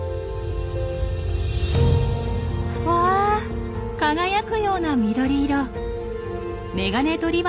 うわ輝くような緑色！